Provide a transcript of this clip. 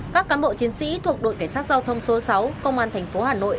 các cán bộ chiến sĩ thuộc đội cảnh sát giao thông số sáu công an thành phố hà nội